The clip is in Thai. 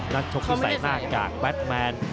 ชกที่ใส่หน้าจากแบทแมน